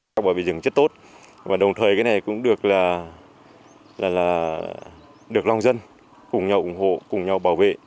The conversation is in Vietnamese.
các bảo vệ rừng rất tốt và đồng thời cái này cũng được là được lòng dân cùng nhau ủng hộ cùng nhau bảo vệ